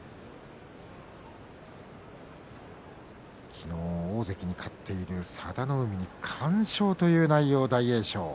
昨日大関に勝っている佐田の海に完勝という内容の大栄翔。